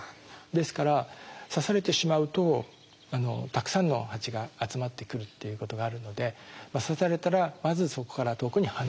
ですから刺されてしまうとたくさんのハチが集まってくるっていうことがあるので刺されたらまずそこから遠くに離れる。